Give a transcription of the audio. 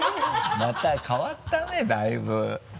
また変わったねだいぶ。